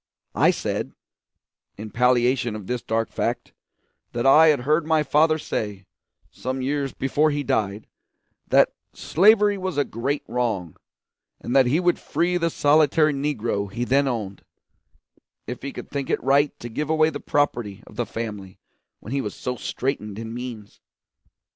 I said, in palliation of this dark fact, that I had heard my father say, some years before he died, that slavery was a great wrong, and that he would free the solitary Negro he then owned if he could think it right to give away the property of the family when he was so straitened in means.